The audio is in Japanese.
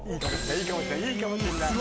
いいかもしんない。